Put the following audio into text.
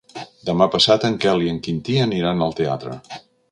Demà passat en Quel i en Quintí aniran al teatre.